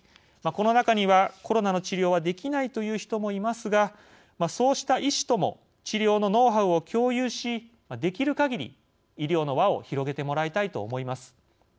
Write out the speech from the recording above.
この中にはコロナの治療はできないという人もいますがそうした医師とも治療のノウハウを共有しできるかぎり医療の輪を広げてもらいたいと思います。